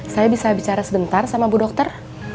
saya bisa bicara sebentar sama bu dokter